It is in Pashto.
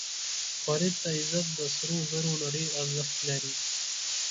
غریب ته عزت د سرو زرو نه ډېر ارزښت لري